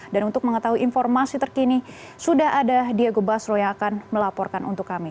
dan untuk mengetahui informasi terkini sudah ada diego basroyakan melaporkan untuk kami